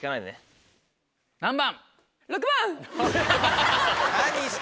何番？